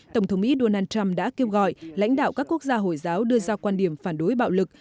tổng thống mỹ donald trump đã kêu gọi lãnh đạo các quốc gia hồi giáo đưa ra quan điểm phản đối bạo lực